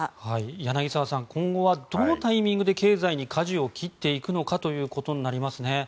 柳澤さん今後はどのタイミングで経済にかじを切っていくのかということになりますね。